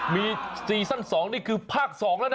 มีซีซั่น๒นี่คือภาค๒แล้วนะ